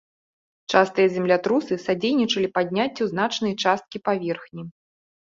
Частыя землятрусы садзейнічалі падняццю значнай часткі паверхні.